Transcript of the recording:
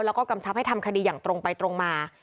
แล้วก็กำชับให้ทำคดีอย่างตรงไปตรงมา